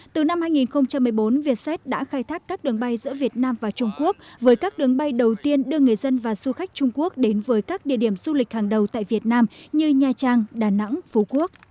từ năm hai nghìn một mươi bốn vietjet đã khai thác các đường bay giữa việt nam và trung quốc với các đường bay đầu tiên đưa người dân và du khách trung quốc đến với các địa điểm du lịch hàng đầu tại việt nam như nha trang đà nẵng phú quốc